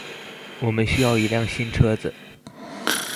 我們需要一輛新車子